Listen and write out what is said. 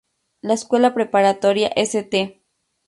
La escuela preparatoria St.